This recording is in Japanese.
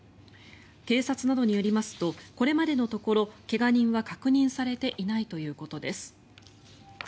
警察などによりますとこれまでのところ怪我人は確認されていないということです。